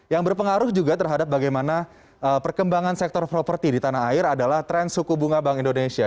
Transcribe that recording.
yang berpengaruh juga terhadap bagaimana perkembangan sektor properti di tanah air adalah tren suku bunga bank indonesia